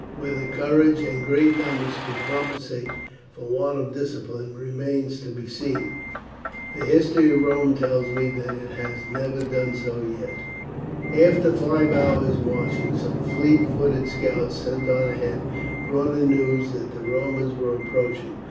Whether courage and great numbers can compensate for want of discipline remains to be seen. The history of Rome tells me that it has never done so yet." After five hours' marching some fleet footed scouts sent on ahead brought in the news that the Romans were approaching.